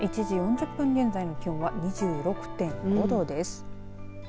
１時４０分現在の気温は２６．５度です。